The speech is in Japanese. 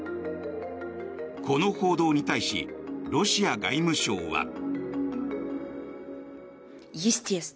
この報道に対しロシア外務省は。